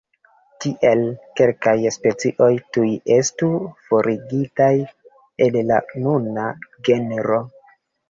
Tiele, kelkaj specioj tuj estu forigitaj el la nuna genro.